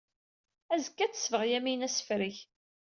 Azekka ad tesbeɣ Yamina asefreg.